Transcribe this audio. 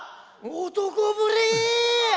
男ぶり！